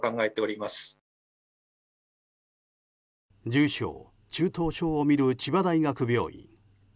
重症、中等症を診る千葉大学病院。